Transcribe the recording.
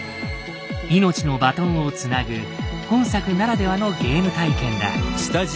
命のバトンをつなぐ本作ならではのゲーム体験だ。